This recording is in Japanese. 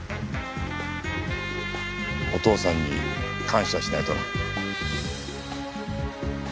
お父さんに感謝しないとな。